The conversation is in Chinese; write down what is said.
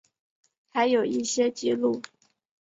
还有一些记录